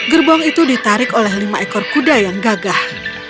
gerbong itu ditarik oleh lima ekor kuda yang gagah